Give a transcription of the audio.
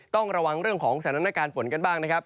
ต้องระวังเรื่องของสถานการณ์ฝนกันบ้างนะครับ